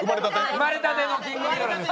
生まれたてのキングギドラです。